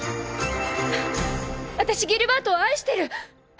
あたしギルバートを愛してる！